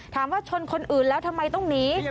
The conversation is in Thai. ถามว่าชนคนอื่นแล้วทำไมต้องหนี